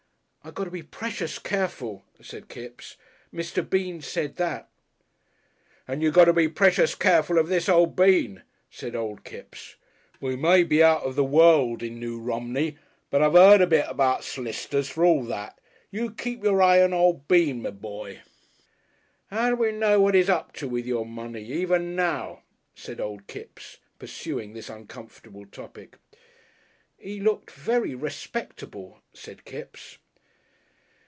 "I got to be precious Careful," said Kipps. "Mr. Bean said that." "And you got to be precious careful of this old Bean," said Old Kipps. "We may be out of the world in Noo Romney, but I've 'eard a bit about s'licitors, for all that. You keep your eye on old Bean, me b'y. "'Ow do we know what 'e's up to, with your money, even now?" said Old Kipps, pursuing this uncomfortable topic. "'E looked very respectable," said Kipps....